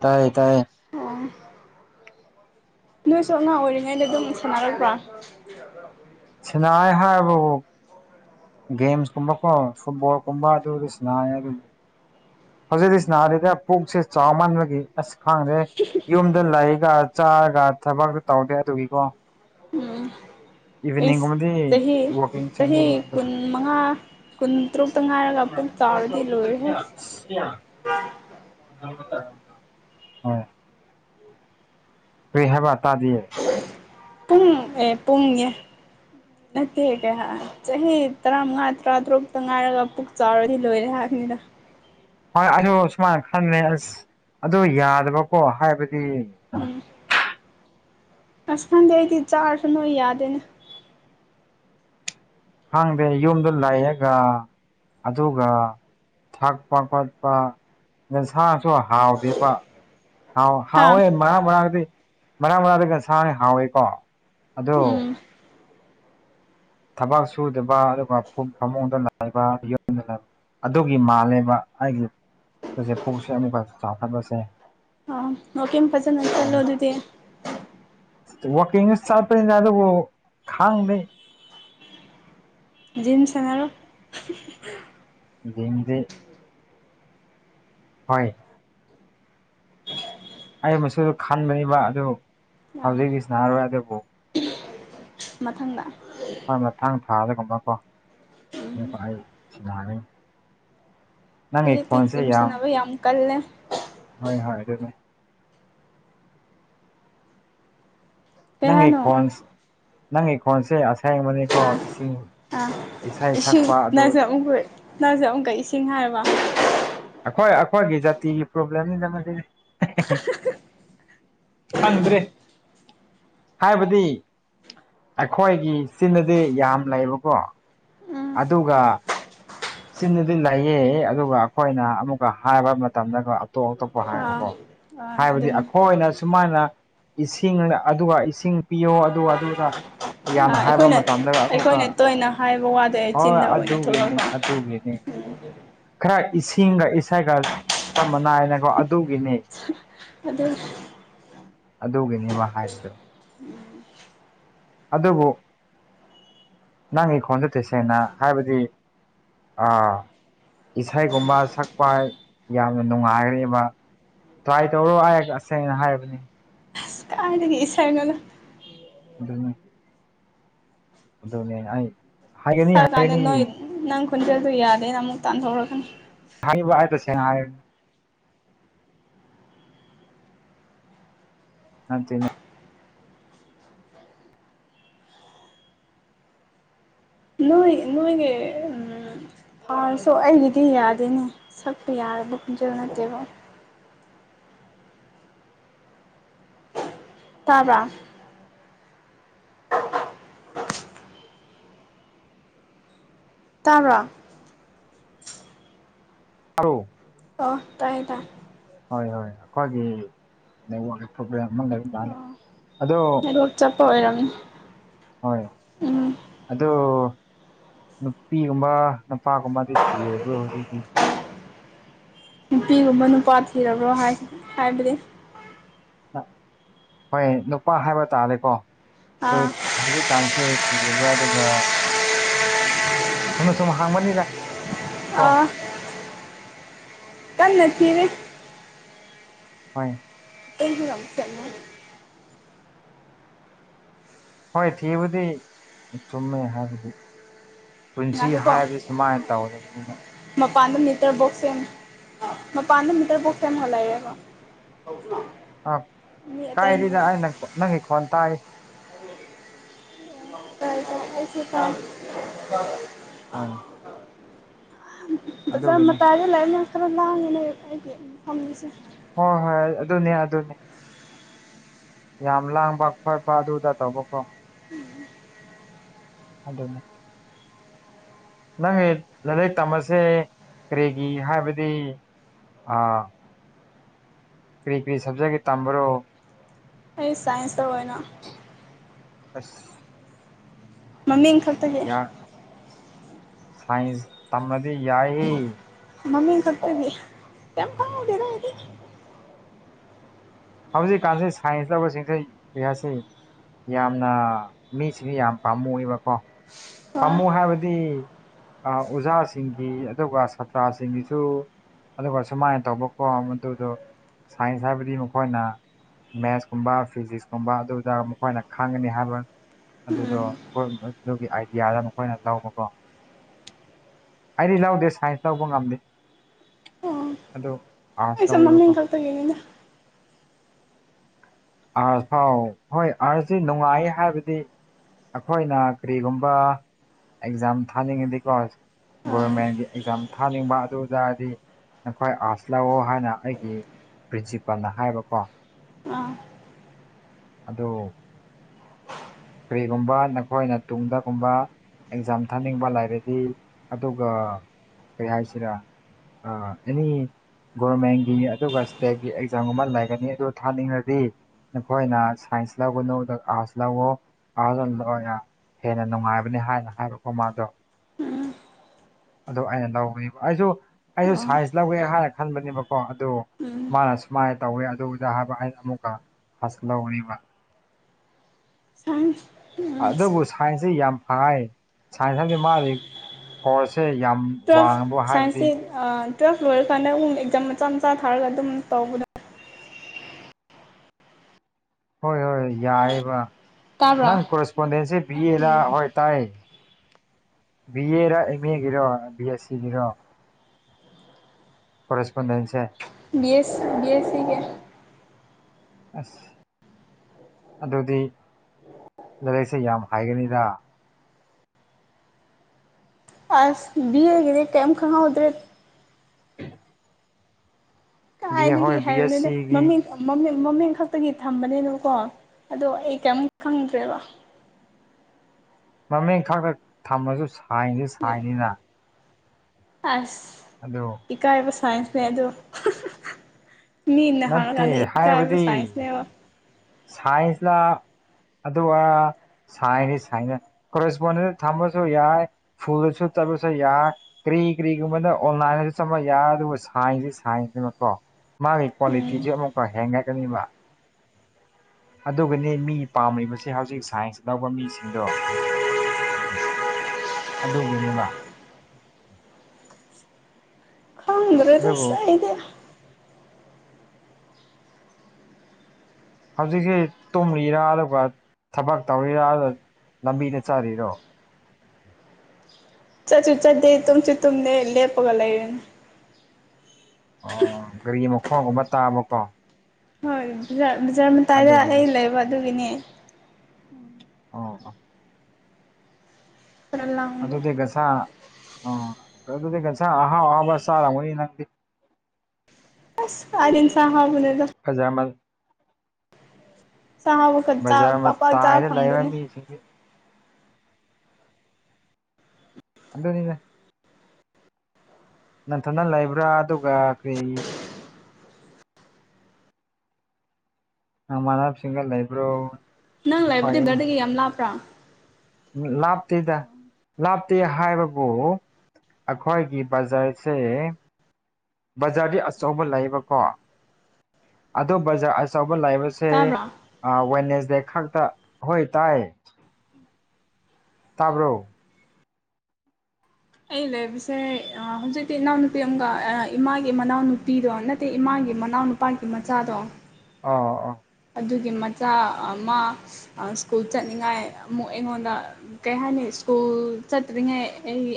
ꯇꯥꯏ ꯇꯥꯏꯌꯦ ꯑꯣꯎꯪ ꯅꯣꯏꯁꯨ ꯑꯉꯥꯡ ꯑꯣꯏꯔꯤꯉꯩꯗ ꯑꯗꯨꯝ ꯁꯥꯟꯅꯔꯛꯄ꯭ꯔꯣ INAUDIBLE ꯁꯥꯟꯅꯔꯛꯏ ꯍꯥꯏꯕꯕꯨ ꯒꯦꯝꯁꯀꯨꯝꯕꯀꯣ ꯐꯨꯠꯕꯣꯜ ꯀꯨꯝꯕ ꯑꯗꯨꯁꯨꯨ ꯁꯥꯟꯅꯩꯌꯦ ꯑꯗꯨꯝ ꯍꯧꯖꯤꯛꯇꯤ ꯁꯥꯟꯅꯗ꯭ꯔꯦꯗ ꯄꯨꯛꯁꯦ ꯆꯥꯎ ꯃꯟꯕꯒꯤ ꯑꯁ ꯈꯪꯗ꯭ꯔꯦ ꯌꯨꯝꯗ ꯂꯩꯒ ꯆꯥꯔꯒ ꯊꯕꯛꯇꯤ ꯇꯧꯗꯦ ꯑꯗꯨꯒꯤꯀꯣ ꯎꯪꯎꯪ ꯏꯁ ꯏꯚꯤꯅꯤꯡꯒꯨꯝꯕꯗꯤ ꯆꯍꯤ ꯋꯥꯛꯀꯤꯡ ꯆꯍꯤ ꯆꯠꯂꯦꯕ ꯑꯗꯨ ꯀꯨꯟ ꯃꯉꯥ ꯀꯨꯟꯇ꯭ꯔꯨꯛꯇ ꯉꯥꯢꯔꯒ ꯄꯨꯛ ꯆꯥꯎꯔꯗꯤ ꯂꯣꯢꯔꯦꯍꯦ INAUDIBLE ꯀ꯭ꯔꯤ ꯍꯥꯏꯕ ꯇꯥꯗꯤꯌꯦ ꯄꯨꯡ ꯑꯦ ꯄꯨꯡꯌꯦ ꯅꯠꯇꯦ ꯀꯩꯍꯥꯏ ꯆꯍꯤ ꯇꯔꯥꯃꯉꯥ ꯇꯔꯥ ꯇꯔꯨꯛꯇ ꯉꯥꯏꯔꯒ ꯄꯨꯛ ꯆꯥꯎꯔꯗꯤ ꯂꯣꯏꯔꯦ ꯍꯥꯏꯕꯅꯤꯗ ꯍꯣꯏ ꯑꯗꯨ ꯁꯨꯃꯥꯏꯅ ꯈꯜꯂꯦ ꯑꯥꯁ ꯑꯗꯨ ꯌꯥꯗꯕꯀꯣ ꯍꯥꯏꯕꯗꯤ ꯎꯪ ꯑꯥꯁ ꯈꯪꯗꯦ ꯑꯩꯗꯤ ꯆꯥꯔꯁꯨꯅꯣꯏ ꯌꯥꯗꯦꯅꯦ ꯈꯪꯗꯦ ꯌꯨꯝꯗ ꯂꯩꯔꯒ ꯑꯗꯨꯒ ꯊꯛꯄ-ꯈꯣꯠꯄ ꯌꯦꯟꯁꯥꯁꯨ ꯍꯥꯎꯗꯦꯕꯥ ꯍꯥꯎ ꯍꯥ ꯍꯥꯎꯋꯦ ꯃꯔꯛ ꯃꯔꯛꯗꯤ ꯃꯔꯥꯡ ꯃꯔꯥꯡꯗꯤ ꯉꯁꯥꯥꯢ ꯍꯥꯎꯋꯦꯀꯣ ꯑꯗꯨ ꯎꯝ ꯊꯕꯛ ꯁꯨꯗꯕ ꯑꯗꯨꯒ ꯐ ꯐꯃꯨꯡꯗ ꯅꯩꯕ ꯃꯤꯉꯣꯟꯗꯅ ꯑꯗꯨꯒꯤ ꯃꯥꯜꯂꯦꯕ ꯑꯩꯒꯤ ꯄꯨꯛꯁꯦ ꯑꯃꯨꯛꯀ ꯆꯥꯎꯈꯠꯄꯁꯦ ꯑꯥ ꯋꯥꯀꯤꯡ ꯐꯖꯅ ꯆꯠꯂꯣ ꯑꯗꯨꯗꯤ ꯋꯥꯀꯤꯡꯒ ꯆꯠꯄꯅꯤꯗ ꯑꯗꯨꯕꯨ ꯈꯪꯗꯦ ꯖꯤꯝ ꯁꯥꯟꯅꯔꯣ ꯖꯤꯝꯗꯤ ꯍꯣꯢ ꯑꯩ ꯑꯃꯁꯨ ꯈꯟꯕꯅꯦꯕ ꯑꯗꯨ ꯑꯥ ꯍꯧꯖꯤꯛꯀꯤ ꯁꯥꯟꯅꯔꯣꯏ ꯑꯗꯨꯕꯨ ꯃꯊꯪꯗ ꯍꯣꯢ ꯃꯊꯪ ꯊꯥꯗꯒꯨꯝꯕꯀꯣ ꯑꯩ ꯁꯥꯟꯅꯒꯅꯤ ꯅꯪꯒꯤ ꯍꯧꯖꯤꯛꯇꯤ ꯈꯣꯟꯁꯦ ꯖꯤꯝ ꯁꯥꯟꯅꯕ ꯌꯥꯝ ꯀꯜꯂꯦ ꯍꯣꯏ ꯍꯣꯏ ꯑꯗꯨꯅꯤ ꯀꯩ ꯅꯪꯒꯤ ꯍꯥꯏꯅꯣ ꯀꯣꯟꯁ ꯅꯪꯒꯤ ꯀꯣꯟꯁꯦ ꯑꯁꯦꯡꯕꯅꯤꯀꯣ ꯑꯥ ꯏꯁꯤꯡ ꯑꯥ ꯏꯁꯩ ꯏꯁꯤꯡ ꯁꯛꯄ ꯑꯗꯨ ꯅꯪꯁꯨ ꯑꯃꯨꯛꯀ ꯅꯪꯖꯨ ꯑꯃꯨꯛꯀ ꯏꯁꯤꯡ ꯍꯥꯏꯔꯕ ꯑꯩꯈꯣꯏ ꯑꯩꯈꯣꯏꯒꯤ ꯖꯥꯇꯤꯒꯤ ꯄ꯭ꯔꯣꯕ꯭ꯂꯦꯝꯅꯤꯗ ꯃꯁꯤꯗꯤ ꯍꯦꯍꯦ ꯍꯤ ꯈꯟꯗ꯭ꯔꯦ ꯍꯥꯏꯕꯗꯤ ꯑꯩꯈꯣꯏꯒꯤ ꯆꯤꯟꯅꯗꯤ ꯌꯥꯝ ꯂꯩꯌꯦꯕꯀꯣ ꯎꯝ ꯑꯗꯨꯒꯥ ꯆꯤꯤꯟꯗꯨꯗꯤ ꯂꯩꯌꯦꯑꯦ ꯑꯗꯨꯒ ꯑꯩꯈꯣꯏꯅ ꯑꯃꯨꯛꯀ ꯍꯥꯏꯕ ꯃꯇꯝꯗꯒ ꯑꯇꯣꯞ ꯑꯇꯣꯞꯄ ꯑꯥ ꯍꯥꯏꯕꯀꯣ ꯑꯥ ꯍꯥꯏꯕꯗꯤ ꯑꯗꯨꯅꯤ ꯑꯩꯈꯣꯏꯅ ꯁꯨꯃꯥꯏꯅ ꯏꯁꯤꯡ ꯑꯗꯨꯒ ꯏꯁꯤꯡ ꯄꯤꯌꯣ ꯑꯗꯨ ꯑꯗꯨꯗ ꯑꯥ ꯌꯥꯝꯅ ꯍꯥꯏꯕ ꯑꯩꯈꯣꯏꯅ ꯃꯇꯝꯗ ꯑꯃꯨꯛꯀ ꯑꯩꯈꯣꯏꯅ ꯇꯣꯏꯅ ꯍꯥꯏꯕ ꯋꯥꯗꯣ ꯑꯦ ꯍꯣꯏ ꯆꯤꯟꯅ ꯑꯣꯏꯅ ꯑꯗꯨꯒꯤꯅꯤ ꯊꯣꯛꯂꯛꯄ ꯑꯗꯨꯒꯤꯅꯤ ꯈꯔ ꯏꯁꯤꯡꯒ ꯏꯁꯩꯒ ꯇꯃ ꯅꯥꯏꯅꯀꯣ ꯑꯗꯨꯒꯤꯅꯤ ꯑꯗꯨꯅꯤ ꯑꯗꯨꯒꯤꯅꯦꯕ ꯍꯥꯏꯁꯨ ꯑꯗꯨꯕꯨ ꯅꯪꯒꯤꯈꯣꯟꯗꫭ ꯇꯁꯦꯡꯅ ꯍꯥꯏꯕꯗꯤ ꯑ ꯏꯁꯩꯒꯨꯝꯕ ꯁꯛꯄ ꯌꯥꯝꯅ ꯅꯨꯡꯉꯥꯏꯒꯅꯤꯕ ꯇ꯭ꯔꯥꯏ ꯇꯧꯔꯣ ꯑꯩ ꯇꯁꯦꯡꯅ ꯍꯥꯏꯔꯕꯅꯤ ꯀꯗꯥꯥꯏꯗꯒꯤ ꯏꯁꯩꯅꯣꯗ ꯑꯗꯨꯅꯤ ꯑꯗꯨꯅꯦ ꯑꯩ ꯍꯥꯏꯒꯅꯤ ꯁꯛ ꯑꯀꯥꯟꯗ ꯍꯥꯏꯒꯅꯤ ꯅꯣꯏ ꯅꯪ ꯈꫭꯟꯖꯦꯜꯗꫭ ꯑꯗꯨ ꯌꯥꯗꯦꯅ ꯑꯃꯨꯛ ꯇꯥꯟꯊꯣꯔꯛꯀꯅꯤ ꯍꯥꯏꯕ ꯑꯩ ꯇꯁꯦꯡꯅ ꯍꯥꯏ ꯅꯠꯇꯦꯅꯦ ꯅꯣꯏ ꯅꯣꯏꯒꯤ ꯎꯝ ꯐꯥꯔꯁꯨ ꯑꯩꯒꯤꯗꯤ ꯌꯥꯗꯦꯅꯦ ꯁꯛꯄ ꯌꯥꯔꯕ ꯈꫭꯟꯖꯦꯜ ꯅꯠꯇꯦꯕ ꯇꯥꯕ꯭ꯔꯥ ꯇꯥꯕꯔꯥ ꯍꯜꯂꫭ ꯑꫭ ꯇꯥꯏꯌꯦ ꯇꯥꯏ ꯍꯣꯏ ꯍꯣꯏ ꯑꯩꯈꯣꯏꯒꯤ ꯅꯦꯠꯋꯥꯛ ꯄ꯭ꯔꯣꯕ꯭ꯂꯦꯝ ꯑꯃ ꯂꯩꯕ ꯃꯥꯜꯂꯦ ꯑꯗꯣ ꯑꯗꫭ ꯆꯠꯄ ꯑꯣꯏꯔꯝꯅꯤ ꯍꯣꯏ ꯎꯝ ꯑꯗꫭ ꯅꯨꯄꯤꯒꯨꯝꯕ ꯅꯨꯄꯥꯒꯨꯝꯕꯗꯤ ꯊꯤꯔꯕ꯭ꯔꯣ ꯍꯧꯖꯤꯛꯇꯤ ꯅꯨꯄꯤꯒꯨꯝꯕ ꯅꯨꯄꯥ ꯊꯤꯔꯕ꯭ꯔꯣ ꯍꯥꯏ ꯍꯥꯏꯕꯗꯤ ꯍꯣꯏ ꯅꯨꯄꯥ ꯍꯥꯏꯕ ꯇꯥꯔꯦꯀꯣ ꯑꯥ ꯑꯗꯨ ꯍꯧꯖꯤꯛꯀꯥꯟꯁꯦ ꯊꯤꯗꯤꯕ꯭ꯔꯥ ꯑꯗꯨꯒ ꯆꯨꯝꯅꯁꯨꯝ ꯈꯪꯕꯅꯤꯗ ꯀꫭ ꯑꯥ ꯀꯟꯅ ꯊꯤꯔꯤ ꯍꯣꯏ [unintelligible] ꯍꯣꯏ ꯊꯤꯕꯨꯗꯤ ꯆꯨꯝꯃꯦ ꯍꯥꯏꯕꯗꯤ ꯄꯨꯟꯁꯤ ꯉꯥꯏꯈꯣꯀꯣ ꯍꯥꯏꯕ ꯁꯨꯃꯥꯏ ꯇꯧꯗꯝꯅꯦꯕ ꯃꯄꯥꯟꯗ ꯃꯤꯇꯔ ꯕꯣꯛꯁ ꯁꯦꯝꯃꯤ ꯃꯄꯥꯟꯗ ꯃꯤꯇꯔ ꯕꯣꯛꯁ ꯁꯦꯝꯂꯒ ꯂꯩꯌꯩꯕ ꯑ ꯍ [inaudible] ꯑ ꯀꯥꯏꯗꯦꯗ ꯑꯩꯅꯪ ꯈꫭꯟ ꯅꯪꯒꯤ ꯈꯣꯟ ꯇꯥꯏ [inaudible] ꯍꫭꯏ ꯕꯖꯥꯔ ꯑꯗꯨꯒꯤꯅꯤ ꯃꯇꯥꯏꯗ ꯂꯩꯕꯅꯤꯅ ꯈꯔ ꯂꯥꯡꯉꯦꯅꯦ ꯑꯩꯒꯤ ꯐꯝꯂꯤꯁꯦ ꯍꯣ ꯍꯣꯏ ꯑꯗꯨꯅꯦ ꯑꯗꯨꯅꯦ ꯌꯥꯝ ꯂꯥꯡꯕ ꯈꫭꯠꯄ ꯑꯗꯨꯗ ꯇꯧꯕꯀꯣ ꯎꯝ [inaudible] ꯑꯗꯨꯅꯦ ꯅꯪ ꯂꯥꯏꯔꯤꯛ ꯇꯝꯕꯁꯦ ꯀꯔꯤꯒꯤ ꯍꯥꯏꯕꯗꯤ ꯑꯥ ꯀꯔꯤ ꯀꯔꯤ ꯁꯕꯖꯦꯛꯀꯤ ꯇꯝꯕ꯭ꯔꯣ ꯑꯩ ꯁꯥꯏꯟꯁꯇ ꯑꯣꯏꯅ ꯑꯁ ꯃꯃꯤꯡ ꯈꯛꯇꯒꯤ ꯌꯥ ꯁꯥꯏꯟꯁ ꯇꯝꯕꯗꯤ ꯌꯥꯏ ꯃꯃꯤꯡ ꯈꯛꯇꯒꯤ ꯀꯝ ꯐꯥꯎꯗ‌ꯦꯗ ꯑꯩꯗꯤ ꯍꯧꯖꯤꯛꯀꯥꯟꯁꯤ ꯁꯥꯏꯟꯁ ꯇꯧꯕꯁꯤꯡꯁ‌ꯦ ꯌꯥꯁꯤ ꯌꯥꯝꯅ ꯃꯤꯁꯤꯗꯤ ꯌꯥꯝ ꯄꯥꯝꯃꯨ ꯏꯕꯀꯣ ꯍꯣꯏ ꯄꯥꯝꯃꯨ ꯍꯥꯏꯕꯗꯤ ꯑꯣꯖꯥꯁꯤꯡꯒꯤ ꯑꯗꯨꯒ ꯁꯥꯇ꯭ꯔꯥꯁꯤꯡꯒꯤꯁꯨ ꯑꯗꯨꯒ ꯁꯨꯃꯥꯏꯅ ꯇꯧꯕꯀꯣ ꯃꯗꯨꯗꯣ ꯁꯥꯏꯟꯁ ꯍꯥꯏꯕꯗꯤ ꯃꯈꯣꯏꯅ ꯃꯦꯠꯁ ꯀꯨꯝꯕ ꯐꯤꯖꯤꯛꯁ ꯀꯨꯝꯕ ꯑꯗꯨꯗ ꯃꯈꯣꯏꯅ ꯈꯪꯒꯅꯤ ꯍꯥꯏꯕ ꯑꯗꯨꯗꯣ ꯃꯈꯣꯏ ꯑꯗꯨꯒꯤ ꯑꯥꯏꯗꯤꯌꯥꯗ ꯃꯈꯣꯏꯅ ꯂꯧꯕꯀꯣ ꯑꯩꯗꯤ ꯂꯧꯗꯦ ꯁꯥꯏꯟꯁ ꯂꯧꯕ ꯉꯝꯗꯦ ꯑꯣ ꯑꯗꯨ ꯑꯥꯔꯠꯁ ꯑꯩꯁꯨ ꯂꯧꯋꯦꯕꯀꯣ ꯃꯃꯤꯡ ꯈꯛꯇꯒꯤꯅꯤꯗ ꯑꯥꯔꯁ ꯐꯥꯎ ꯍꯣꯏ ꯑꯥꯔꯁꯁꯤ ꯅꯨꯡꯉꯥꯏ ꯍꯥꯏꯕꯗꯤ ꯑꯩꯈꯣꯏꯅ ꯀꯔꯤꯒꯨꯝꯕ ꯑꯦꯛꯖꯥꯝ ꯊꯥꯅꯤꯡꯉꯗꯤꯀꯣ ꯑꯥ ꯒꯣꯚꯔꯃꯦꯟꯒꯤ ꯑꯦꯛꯖꯥꯝ ꯊꯥꯅꯤꯡꯕ ꯑꯗꯨ ꯇꯔꯗꯤ ꯅꯈꯣꯏ ꯑꯥꯔꯠꯁ ꯂꯧꯑꯣ ꯍꯥꯏꯅ ꯑꯩꯒꯤ ꯄ꯭ꯔꯤꯟꯁꯤꯄꯜꯅ ꯍꯥꯏꯕꯀꯣ ꯑ ꯑꯗꯣ ꯀꯔꯤꯒꯨꯝꯕ ꯅꯈꯣꯏꯅ ꯇꯨꯡꯗꯒꯨꯝꯕ ꯑꯦꯛꯖꯥꯝ ꯊꯥꯅꯤꯡꯕ ꯂꯩꯔꯗꯤ ꯑꯗꯨꯒ ꯀꯩ ꯍꯥꯏꯁꯤꯔꯥ ꯑꯥ ꯑ‌ꯦꯅꯤ ꯒꯣꯔꯃꯦꯟꯒꯤ ꯑꯗꯨꯒ ꯏꯁꯇꯦꯠꯀꯤ ꯑꯦꯛꯖꯥꯝꯒꯨꯝꯕ ꯂꯩꯒꯅꯤ ꯑꯗꯨ ꯊꯥꯅꯤꯡꯉꯗꯤ ꯅꯈꯣꯏꯅ ꯁꯥꯏꯟꯁ ꯂꯧꯒꯅꯨ ꯑꯗꯨꯒ ꯑꯥꯔꯠꯁ ꯂꯧꯎ ꯑꯗ ꯑꯣꯏꯅ ꯍꯦꯟꯅ ꯅꯨꯡꯉꯥꯏꯕꯅꯤ ꯍꯥꯏꯅ ꯍꯥꯏꯔꯣꯀꯣ ꯃꯥꯗꯣ ꯎꯝ ꯑꯗꯨ ꯑꯩꯅ ꯂꯧꯕꯅꯦꯕ ꯑꯩꯁꯨ ꯑꯩꯁꯨ ꯑꯣ ꯁꯥꯏꯟꯁ ꯂꯧꯒꯦ ꯍꯥꯏꯅ ꯈꯟꯕꯅꯦꯕ ꯍꯣ ꯑꯗꯨ ꯎꯝ ꯃꯥꯅ ꯁꯨꯃꯥꯏꯅ ꯇꯧꯋꯦ ꯑꯗꯨꯗ ꯍꯥꯏꯕ ꯑꯩꯅ ꯑꯃꯨꯛꯀꯥ ꯑꯥꯔꯁ ꯂꯧꯔꯤꯕ ꯁꯥꯏꯟꯁ ꯑꯗꯨꯕꯨ ꯁꯥꯏꯟꯁꯁꯤ ꯌꯥꯝ ꯐꯥꯏ ꯁꯥꯏꯟꯁ ꯍꯥꯏꯕꯗꯤ ꯃꯥꯗꯤ ꯀꯣꯔꯁꯁꯦ ꯌꯥꯝ ꯇꯨꯋꯜꯐ ꯋꯥꯡꯉꯕ ꯍꯥꯏꯕꯗꯤ ꯁꯥꯏꯟꯁꯁꯤ ꯇꯨꯋꯦꯜꯐ ꯂꯣꯏꯔꯀꯥꯟꯗ ꯎꯨ ꯑꯦꯛꯖꯥꯝ ꯃꯆꯥ ꯃꯆꯥ ꯊꯥꯔꯒ ꯑꯗꯨꯝ ꯇꯧꯕꯗ ꯍꯣꯏ ꯍꯣꯏ ꯌꯥꯏꯑꯕ ꯇꯥꯕ꯭ꯔꯥ ꯅꯪ ꯀꯣꯔꯦꯁꯄꯣꯟꯗꯦꯟꯁꯦ ꯕꯤꯌꯦꯅ ꯍꯣꯏ ꯇꯥꯏ ꯕꯤ ꯑꯦꯔ ꯑꯦꯝ ꯑꯦꯒꯤꯔꯣ ꯕꯤ ꯑꯦꯁ ꯁꯤꯒꯤꯔꯣ ꯀꯣꯔꯦꯁꯄꯣꯟꯗꯦꯟꯁꯦ ꯕꯤ ꯑꯦꯁ ꯕꯤ ꯑꯦꯁ ꯁꯤꯒꯤ ꯑꯁ ꯑꯗꯨꯗꯤ ꯂꯥꯏꯔꯤꯛꯁꯦ ꯌꯥꯝ ꯍꯥꯏꯒꯅꯤꯗ ꯑꯁ ꯕꯤꯑ‌ꯦꯒꯤꯗꯤ ꯀꯦꯝ ꯈꯪꯍꯧꯗꯦ [inaudible] ꯕꯤ ꯑꯦ ꯀꯥꯏꯅꯗꯒꯤ ꯍꯣꯏ ꯕꯤ ꯑꯦꯁ ꯍꯥꯏꯌꯨꯅꯦꯗ ꯁꯤꯒꯤ ꯃꯃꯤꯡ ꯃꯃꯤꯡ ꯃꯃꯤꯡ ꯈꯛꯇꯒꯤ ꯊꯝꯕꯅꯦꯅꯕꯀꯣ ꯑꯗꯣ ꯑꯩ ꯀꯩꯝ ꯈꯪꯗ꯭ꯔꯦꯕ ꯃꯃꯤꯡ ꯈꯥꯛꯇ ꯊꯝꯃꯁꯨ ꯁꯥꯏꯁ ꯁꯥꯏꯅꯤꯅ ꯑꯁ ꯑꯗꯣ ꯏꯀꯥꯏꯕ ꯁꯥꯏꯟꯁꯅꯦ ꯑꯗꯨ ꯃꯤ ꯍꯪꯉ ꯅꯠꯇꯦ ꯀꯥꯟꯗ ꯢꯀꯥꯏꯕ ꯁꯥꯏꯟꯁꯅꯦ ꯁꯥꯏꯟꯁ ꯂꯥ ꯑꯗꯨꯒ ꯁꯥꯏꯅ ꯁꯥꯏꯅ ꯀꯣꯔꯦꯁꯄꯣꯗꯦꯜ ꯊꯝꯃꯥꯁꯨ ꯌꯥꯏ ꯐꯨꯜꯗ ꯆꯠꯇꯕꯁꯨ ꯌꯥꯏ ꯀꯔꯤ ꯀꯔꯤꯒꯨꯝꯕꯗ ꯑꯣꯟꯂꯥꯏꯟꯗꯁꯨ ꯆꯠꯄ ꯌꯥꯢ ꯑꯗꯨꯕꯨ ꯁꯥꯏꯟꯁꯇꯤ ꯁꯥꯏꯟꯁꯅꯦꯕꯀꯣ ꯃꯥꯒꯤ ꯀ꯭ꯋꯥꯂꯤꯇꯤꯁꯤ ꯑꯃꯨꯛꯀ ꯍꯦꯡꯒꯠꯀꯅꯤꯕ ꯑꯗꯨꯒꯤꯅꯤ ꯃꯤ ꯄꯥꯝꯂꯤꯕꯁꯦ ꯍꯧꯖꯤꯛ ꯁꯥꯏꯟꯁ ꯂꯧꯕ ꯃꯤꯁꯤꯡꯗꯣ ꯑꯗꯨꯒꯤꯅꯤꯕ ꯑꯗꯨꯕꯨ [unintelligible] [unintelligible] ꯍꯧꯖꯤꯛꯁꯤ ꯇꯨꯝꯃꯤꯔꯥ ꯑꯗꯨꯒ ꯊꯕꯛ ꯇꯧꯔꯤꯔꯥ ꯂꯝꯕꯤꯗ ꯆꯠꯂꯤꯔꯣ ꯆꯠꯁꯨ ꯆꯠꯇꯦ ꯇꯨꯝꯁꯨ ꯇꯨꯝꯗꯦ ꯂꯦꯞꯄꯒ ꯂꯩꯌꯦ ꯑꯣ ꯒꯥꯔꯤ ꯃꯈꯣꯟꯒꯨꯝꯕ ꯇꯥꯕꯀꯣ ꯍꯣꯏ ꯕꯖꯥꯔ ꯃꯇꯥꯏꯗ ꯑꯗꯨꯒꯤꯅꯤ ꯑꯩ ꯂꯩꯕ ꯑꯗꯨꯒꯤꯅꯦ ꯑꯣ ꯈꯔ ꯂꯥꯡ ꯑꯗꯨꯗꯤ ꯑꯦꯟꯁꯥꯡ ꯑꯗꯨꯗꯤ ꯑꯦꯟꯁꯥꯡ ꯑꯍꯥꯎ ꯑꯍꯥꯥꯎꯕ ꯆꯥꯔꯝꯒꯅꯤ ꯅꯪꯗꯤ ꯑꯁ ꯀꯥꯏꯗꯩ ꯑꯦꯟꯁꯥꯡ ꯑꯍꯥꯎꯕꯅꯣꯗ ꯐꯖꯃꯟ ꯑꯦꯟꯁꯥꯡ [unintelligible] [unintelligible] [unintelligible] ꯄꯥꯛ ꯄꯥꯛ ꯆꯥꯕ ꯐꯪꯗꯦꯅꯦ ꯁꯦꯡꯉꯦ ꯑꯗꯨꯅꯤꯅꯦ ꯅꯊꯟꯅ ꯂꯩꯕ꯭ꯔꯥ ꯑꯗꯨꯒ ꯀꯔꯤ ꯅꯃꯥꯟꯅꯕ ꯁꯤꯡꯒ ꯂꯩꯕ꯭ꯔꯣ ꯅꯪ ꯏꯄꯥꯏ ꯂꯩꯕꯗꯤ ꯑꯃ ꯒꯔꯤ ꯌꯥꯝ ꯂꯥꯞꯄ꯭ꯔꯥ ꯂꯥꯞꯇꯦꯗ ꯂꯥꯞꯇꯦ ꯍꯥꯏꯕꯕꯨ ꯑꯩꯈꯣꯏꯒꯤ ꯕꯖꯥꯔꯁꯦ ꯕꯖꯥꯔꯗꯤ ꯑꯆꯧꯕ ꯂꯩꯥꯕꯀꯣ ꯑꯗꯣ ꯕꯖꯥꯔ ꯑꯆꯧꯕ ꯂꯩꯕꯁꯦ ꯁꯦ ꯇꯥꯕ꯭ꯔꯥ ꯑꯥ ꯋꯥꯅꯦꯁ ꯗꯦ ꯈꯛꯇ ꯍꯣꯏ ꯇꯥꯏ ꯇꯥꯕ꯭ꯔꯣ ꯑꯩ ꯂꯩꯕꯁꯦ ꯍꯧꯖꯤꯛꯇꯤ ꯏꯅꯥꯎꯅꯨꯄꯤ ꯑꯃꯒ ꯏꯃꯥꯒꯤ ꯃꯅꯥꯎꯅꯨꯄꯤꯗꯣ ꯅꯠꯇꯦ ꯏꯃꯥꯒꯤ ꯃꯅꯥꯎꯅꯨꯄꯤ ꯃꯒꯤ ꯃꯆꯥꯗꯣ ꯑꯥ ꯑꯥ ꯑꯗꯨꯒꯤ ꯃꯆꯥ ꯃꯥ ꯁ꯭ꯀꯨꯜ ꯑꯥ ꯆꯠꯅꯤꯉꯥꯏ ꯑꯃꯨꯛ ꯑꯩꯉꯣꯟꯗ ꯀꯩ ꯍꯥꯏꯅꯤ ꯁ꯭ꯀꯨꯜ ꯆꯠꯇ꯭ꯔꯤꯉꯩ ꯑꯩ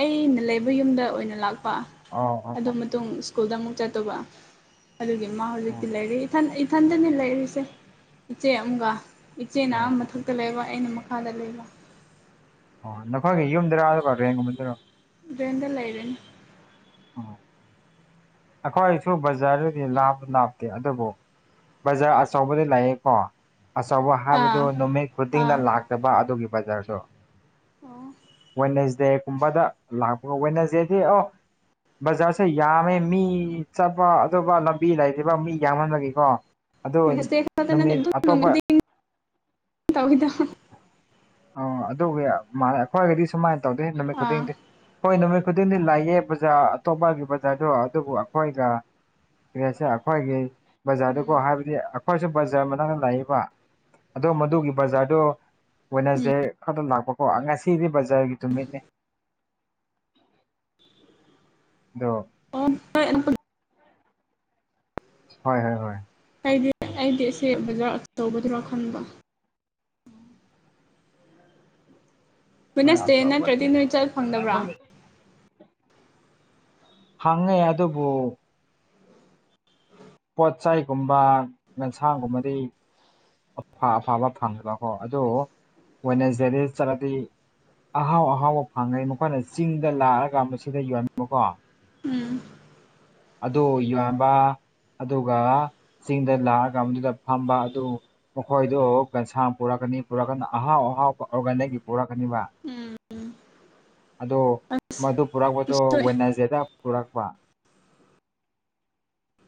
ꯑꯩꯅ ꯂꯩꯕ ꯌꯨꯝꯗ ꯑꯣꯏꯅ ꯂꯥꯛꯄ ꯑꯣ ꯑꯣ ꯑꯗꯨ ꯃꯇꯨꯡ ꯁ꯭ꯀꯨꯜꯗ ꯑꯃꯨꯛ ꯆꯠꯇꯧꯕ ꯑꯗꯨꯒꯤ ꯃꯥ ꯑ ꯍꯧꯖꯤꯛꯇꯤ ꯂꯩꯔꯦ ꯏꯊꯟ ꯏꯊꯟꯇꯅꯤ ꯂꯩꯔꯤꯁꯦ ꯏꯆꯦ ꯑꯃꯒ ꯏꯆꯦꯅ ꯑ ꯑ ꯑꯃ ꯃꯊꯛ ꯇ ꯂꯩꯕ ꯑꯩꯅ ꯃꯈꯥꯗ ꯂꯩꯕ ꯑꯣ ꯅꯈꯣꯏꯒꯤ ꯌꯨꯝꯗꯔꯥꯗ ꯑꯗꯨꯒ ꯔꯦꯟꯒꯨꯝꯕꯗꯔꯣ ꯔꯦꯟꯗ ꯂꯩꯔꯤꯅꯦ ꯑꯣ ꯑꯩꯈꯣꯏꯁꯨ ꯕꯖꯥꯔꯗꯤ ꯂꯥꯞ ꯂꯥꯞꯇꯦ ꯑꯗꯨꯕꯨ ꯕꯖꯥꯔ ꯑꯆꯧꯕꯗꯤ ꯂꯩꯑꯦꯀꯣ ꯑꯆꯧꯕ ꯍꯥꯏꯕꯗꯨ ꯑꯥ ꯅꯨꯃꯤꯠ ꯑꯥ ꯈꯨꯗꯤꯡꯗ ꯂꯥꯛꯇꯕ ꯑꯗꯨꯒꯤ ꯕꯖꯥꯔꯁꯨ ꯑꯣ ꯋꯦꯟꯅꯁꯗꯦꯒꯨꯝꯕꯗ ꯂꯥꯛꯄ ꯋꯦꯟꯅꯁꯗꯦꯗꯤ ꯑꯣ ꯕꯖꯥꯔꯁꯦ ꯌꯥꯝꯃꯦ ꯃꯤ ꯆꯠꯄ ꯑꯇꯣꯞꯅ ꯂꯝꯕꯤ ꯂꯩꯇꯦꯕ ꯃꯤ ꯌꯥꯝꯃꯟꯕꯒꯤꯀꯣ ꯑꯗꯨ ꯅꯨꯃꯤꯠ ꯑꯇꯣꯞꯄ [unintelligible] ꯑꯣ ꯑꯗꯨꯒꯤ ꯃꯥꯂꯦ ꯑꯩꯈꯣꯏꯒꯤꯗꯤ ꯁꯨꯃꯥꯏꯅ ꯇꯧꯗꯦ ꯅꯨꯃꯤꯠ ꯑꯥ ꯈꯨꯗꯤꯡꯗꯤ ꯍꯣꯏ ꯅꯨꯃꯤꯠ ꯈꯨꯗꯤꯡꯗꯤ ꯂꯥꯛꯌꯦ ꯕꯖꯥꯔ ꯑꯇꯣꯞꯄꯒꯤ ꯕꯖꯥꯔꯗꯣ ꯑꯗꯨꯕꯨ ꯑꯩꯈꯣꯏꯒ ꯀꯔꯤ ꯍꯥꯏꯁꯦꯔ ꯑꯩꯈꯣꯏꯒꯤ ꯎꯝ ꯕꯖꯥꯔꯗꯨꯀꯣ ꯍꯥꯏꯕꯗꯤ ꯑꯩꯈꯣꯏꯁꯨ ꯕꯖꯥꯔ ꯃꯅꯥꯛꯇ ꯂꯩꯏꯕ ꯑꯗꯣ ꯃꯗꯨꯒꯤ ꯕꯖꯥꯔꯗꯣ ꯋꯦꯗꯅꯔ꯭ꯁꯗꯦ ꯈꯛꯗ ꯂꯥꯛꯄꯀꯣ ꯉꯁꯤꯗꯤ ꯕꯖꯥꯔꯒꯤ ꯅꯨꯃꯤꯠꯅꯦ ꯑꯗꯨ ꯑꯣ [unintelligible] ꯍꯣꯏ ꯍꯣꯏ ꯍꯣꯏ ꯑꯩꯗꯤ ꯑꯩꯗꯤ ꯑꯁꯦ ꯕꯖꯥꯔ ꯑꯆꯧꯕꯗꯨꯔꯥ ꯈꯟꯕ ꯍꯣꯏ ꯋꯦꯗꯅꯁꯗꯦ ꯅꯠꯇ꯭ꯔꯗꯤ ꯅꯣꯏ ꯆꯠ ꯐꯪꯗꯕ꯭ꯔꯥ ꯐꯪꯉꯦ ꯑꯗꯨꯕꯨ ꯄꯣꯠ ꯆꯩꯒꯨꯝꯕ ꯌꯦꯟꯁꯥꯡꯒꯨꯝꯕꯗꯤ ꯑꯐ ꯑꯐꯥꯕ ꯐꯪꯗꯕꯀꯣ ꯑꯗꯨ ꯋꯦꯗꯅꯔ꯭ꯁꯗꯦ ꯗ ꯆꯠꯂꯗꯤ ꯑꯍꯥꯎ ꯑꯍꯥꯎꯕ ꯐꯪꯉꯦ ꯃꯈꯣꯏꯅ ꯆꯤꯡꯗ ꯂꯥꯛꯑꯒ ꯃꯁꯤꯗ ꯌꯣꯟꯅꯤꯕꯀꯣ ꯎꯝ ꯑꯗꯨ ꯌꯣꯟꯕ ꯑꯗꯨꯒ ꯆꯤꯡꯗ ꯂꯥꯛꯑꯒ ꯃꯗꯨꯗ ꯐꯝꯕ ꯑꯗꯨ ꯃꯈꯣꯏꯗꯨ ꯀꯟꯁꯥꯝ ꯄꯨꯔꯛꯀꯅꯤ ꯄꯨꯔꯛꯀꯅꯤ ꯑꯍꯥꯎ ꯑꯍꯥꯎꯕ ꯑꯣꯔꯒꯥꯅꯤꯛꯀꯤ ꯄꯨꯔꯛꯀꯅꯤꯕ ꯎꯝ ꯑꯗꯣ ꯃꯗꯨ ꯄꯨꯔꯛꯄꯗꯣ ꯎꯁꯣꯏ ꯋꯦꯗꯅꯔ꯭ꯁꯗꯦꯗ ꯄꯨꯔꯛꯄ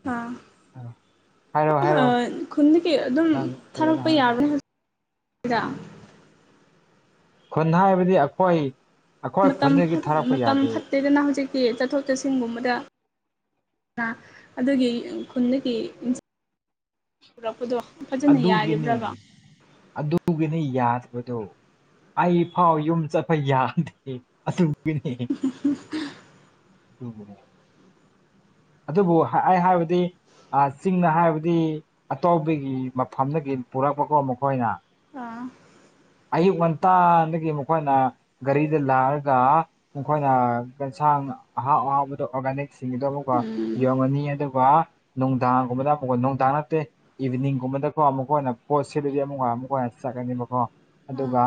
ꯍꯥꯥ ꯎꯝ ꯑ ꯈꯨꯟꯗꯒꯤ ꯑꯗꯨꯝ ꯅꯪ ꯀꯔꯤꯅꯣ ꯊꯥꯔꯛꯄ ꯍꯥꯏ ꯌꯥꯕꯅꯤ [unintelligible] ꯈꯨꯟ ꯍꯥꯏꯕꯗꯤ ꯑꯩꯈꯣꯏ ꯑꯩꯈꯣꯏ ꯃꯇꯝ ꯈꯨꯟꯗꯒꯤ ꯐꯠ ꯊꯥꯔꯛꯄ ꯃꯇꯝ ꯌꯥꯗꯦ ꯐꯠꯇꯦꯗꯅ ꯍꯧꯖꯤꯛꯇꯤ ꯆꯠꯊꯣꯛ ꯆꯠꯁꯤꯟꯒꯨꯝꯕꯗ ꯗ ꯑꯗꯨꯒꯤ ꯈꯨꯟꯗꯒꯤ ꯏꯟ ꯄꯨꯔꯛꯄꯗꯣ ꯐꯖꯅ ꯌꯥꯔꯤꯕ꯭ꯔꯕ ꯇꯨꯒꯦꯅ ꯌꯥꯗꯕꯗꯣ ꯑꯩ ꯐꯥꯎ ꯌꯨꯝ ꯆꯠꯄ ꯌꯥꯗꯦ ꯑꯗꯨꯒꯤꯅꯤ [unintelligible] ꯑꯗꯨꯕꯨ ꯑꯩ ꯍꯥꯏꯕꯗꯤ ꯑ ꯆꯤꯡꯅ ꯍꯥꯏꯕꯗꯤ ꯑꯇꯣꯞꯄꯒꯤ ꯃꯐꯝꯗꯒꯤ ꯄꯨꯔꯛꯄꯀꯣ ꯃꯈꯣꯏꯅ ꯑ ꯑꯌꯨꯛ ꯉꯟꯇꯥꯗꯒꯤ ꯃꯈꯣꯏꯅ ꯒꯥꯔꯤꯗ ꯂꯥꯛꯑꯒ ꯃꯈꯣꯏꯅ ꯌꯦꯟꯁꯥꯡ ꯑꯍꯥꯎ ꯑꯍꯥꯎꯕꯗꯣ ꯑꯣꯔꯒꯥꯅꯤꯛꯁꯤꯡꯗꯣ ꯑꯃꯨꯛꯀ ꯎꯝ ꯌꯣꯟꯉꯅꯤ ꯑꯗꯨꯒ ꯅꯨꯡꯗꯥꯡꯒꯨꯝꯕꯗ ꯅꯨꯡꯗꯥꯡ ꯅꯠꯇꯦ ꯏꯚꯤꯅꯤꯡꯒꯨꯝꯕꯗꯀꯣ ꯃꯈꯣꯏꯅ ꯄꯣꯠ ꯁꯤꯠꯂꯗꯤ ꯑꯃꯨꯛꯀ ꯃꯈꯣꯏꯅ ꯆꯠꯀꯅꯤꯕꯀꯣ ꯑꯥ ꯑꯗꯨꯒ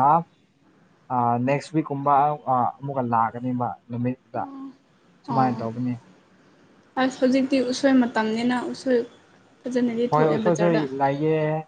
ꯑ ꯅꯦꯛꯁ ꯋꯤꯛꯀꯨꯝꯕ ꯑꯃꯨꯛꯀ ꯂꯥꯛꯀꯅꯦꯕ ꯅꯨꯃꯤꯠꯇ ꯑ ꯁꯨꯃꯥꯏꯅ ꯇꯧꯕꯅꯤ ꯑꯁ ꯍꯧꯖꯤꯛꯇꯤ ꯎꯁꯣꯏ ꯃꯇꯝꯅꯤꯅ ꯎꯁꯣꯏ ꯐꯖꯅꯗꯤ ꯊꯣꯛꯑꯦ ꯕꯖꯥꯔꯗ ꯌꯦ